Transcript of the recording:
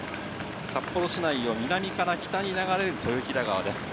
札幌市内を南から北に流れる豊平川です。